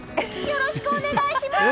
よろしくお願いします！